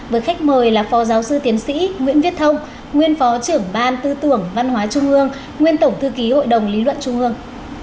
với khách mời là phó giáo sư tiến sĩ nguyễn viết thông nguyên phó trưởng ban tư tưởng văn hóa trung ương nguyên tổng thư ký hội đồng lý luận trung ương